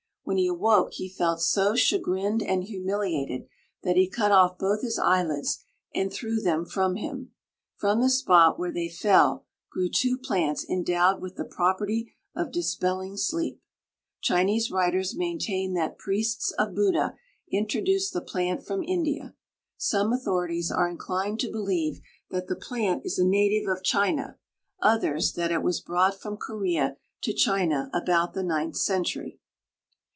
When he awoke he felt so chagrined and humiliated that he cut off both his eyelids and threw them from him. From the spot where they fell grew two plants endowed with the property of dispelling sleep. Chinese writers maintain that priests of Buddha introduced the plant from India. Some authorities are inclined to believe that the plant is a native of China; others, that it was brought from Corea to China about the ninth century.